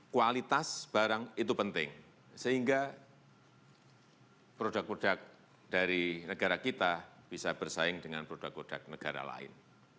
kualitas barang itu penting sehingga produk produk dari negara kita bisa bersaing dengan produk produk negara lain